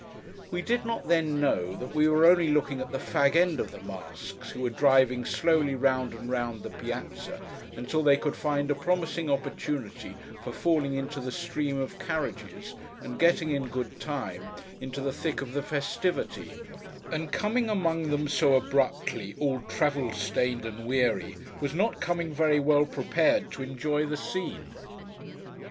We did not, then, know that we were only looking at the fag end of the masks, who were driving slowly round and round the Piazza until they could find a promising opportunity for falling into the stream of carriages, and getting, in good time, into the thick of the festivity; and coming among them so abruptly, all travel stained and weary, was not coming very well prepared to enjoy the scene.